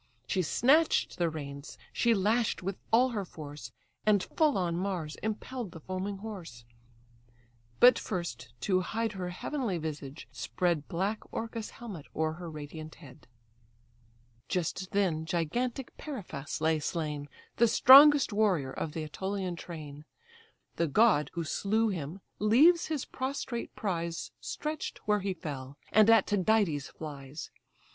She snatch'd the reins, she lash'd with all her force, And full on Mars impelled the foaming horse: But first, to hide her heavenly visage, spread Black Orcus' helmet o'er her radiant head. DIOMED CASTING HIS SPEAR AT MARS Just then gigantic Periphas lay slain, The strongest warrior of the Ætolian train; The god, who slew him, leaves his prostrate prize Stretch'd where he fell, and at Tydides flies.